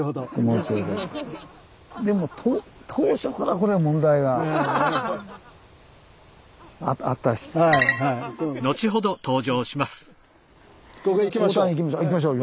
ここ行きましょう。